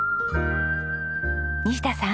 西田さん。